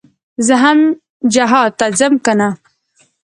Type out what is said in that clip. زه هم جهاد ته ځم كنه.